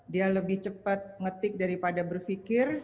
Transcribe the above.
dia lebih cepat ngetik daripada berpikir